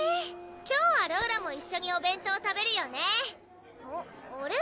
今日はローラも一緒にお弁当食べるよねあれ？